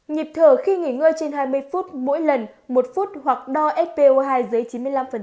nhịp thở khi nghỉ ngơi trên hai mươi phút mỗi lần một phút hoặc đo spo hai dưới chín mươi năm